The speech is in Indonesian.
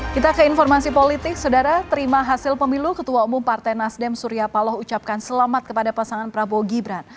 kita ke informasi politik saudara terima hasil pemilu ketua umum partai nasdem surya paloh ucapkan selamat kepada pasangan prabowo gibran